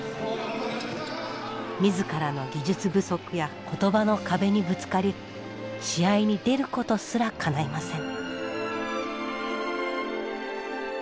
自らの技術不足や言葉の壁にぶつかり試合に出ることすらかないません。